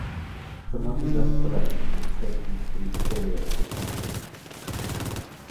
The money thus collected was taken to the interior of the country.